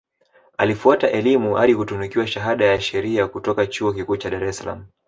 Alifuata elimu hadi kutunukiwa shahada ya Sheria kutoka Chuo Kikuu cha Dar es Salaam